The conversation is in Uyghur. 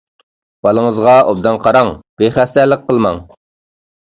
بالىڭىزغا ئوبدان قاراڭ، بىخەستەلىك قىلماڭ.